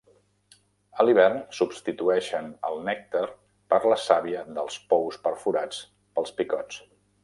A l'hivern, substitueixen el nèctar per la sàvia dels pous perforats pels picots.